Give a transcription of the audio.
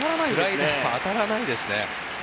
スライダーが当たらないですね。